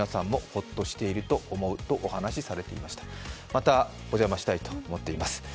またお邪魔したいと思っています。